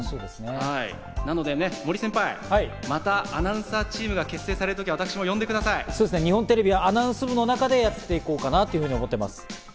なのでね、森先輩、またアナウンサーチームが結成される時、私も日本テレビアナウンス部の中でやって行こうかなと思っております。